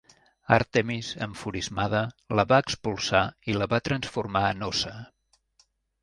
Àrtemis, enfurismada, la va expulsar i la va transformar en óssa.